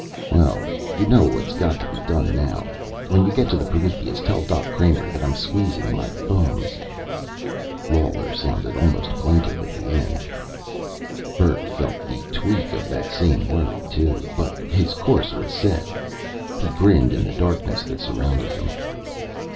Well, you know what's got to be done now. When you get to the Prometheus, tell Doc Kramer that I'm squeezing my thumbs...." Lawler sounded almost plaintive at the end. Bert felt the tweak of that same worry, too, but his course was set. He grinned in the darkness that surrounded them.